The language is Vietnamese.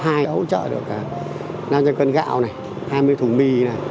đã hỗ trợ được năm trăm linh cân gạo hai mươi thủ mì